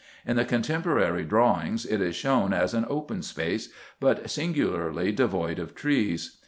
In the contemporary drawings it is shown as an open space, but singularly devoid of trees.